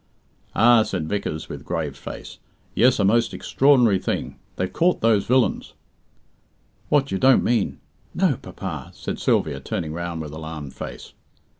"Ah," said Vickers with grave face. "Yes, a most extraordinary thing. They've caught those villains." "What, you don't mean? No, papa!" said Sylvia, turning round with alarmed face.